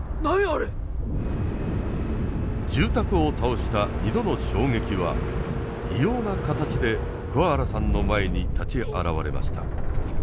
住宅を倒した２度の衝撃は異様な形で桑原さんの前に立ち現れました。